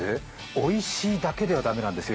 おいしいだけでは駄目なんですよ。